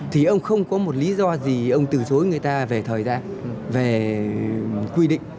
thì ông không có một lý do gì ông từ chối người ta về thời gian về quy định